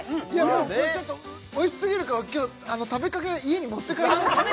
もうこれちょっとおいしすぎるから今日食べかけ家に持って帰ります